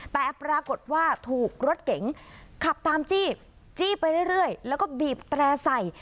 แต่ปรากฏว่าถูกรถเก๋งขับตามจี้จี้ไปเรื่อยแล้วก็บีบแตร่ใส่